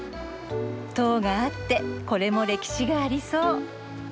塔があってこれも歴史がありそう。